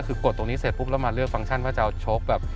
คือกดตรงนี้เสร็จปุ๊บแล้วมาเลือกฟังก์ว่าจะเอาชกแบบ